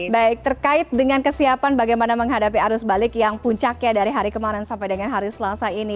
baik terkait dengan kesiapan bagaimana menghadapi arus balik yang puncaknya dari hari kemarin sampai dengan hari selasa ini